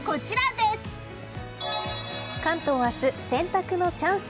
関東は明日洗濯のチャンス。